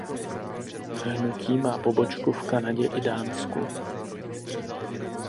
Hnutí má pobočku v Kanadě i Dánsku.